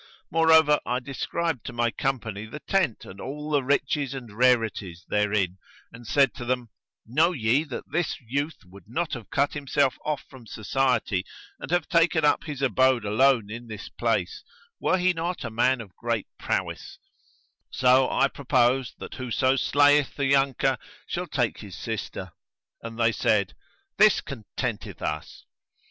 Moreover, I described to my company the tent and all the riches and rarities therein and said to them, "Know ye that this youth would not have cut himself off from society and have taken up his abode alone in this place, were he not a man of great prowess: so I propose that whoso slayeth the younker shall take his sister." And they said, "This contenteth us."